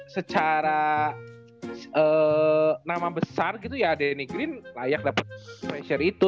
secara nama besar gitu ya denny green layak dapat pressure itu